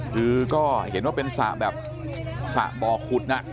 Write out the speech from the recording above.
คือก็เห็นว่าเป็นสระแบบสระบ่อขุดน่ะ